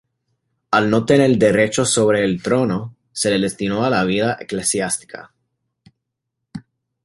Al no tener derechos sobre el trono, se le destinó a la vida eclesiástica.